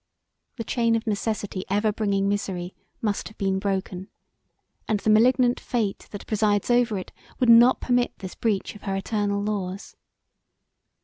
The chain of necessity ever bringing misery must have been broken and the malignant fate that presides over it would not permit this breach of her eternal laws.